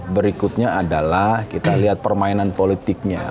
berikutnya adalah kita lihat permainan politiknya